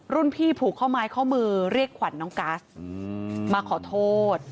พี่ผูกข้อไม้ข้อมือเรียกขวัญน้องกัสมาขอโทษ